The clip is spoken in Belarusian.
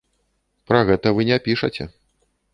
Пра гэта вы не пішаце.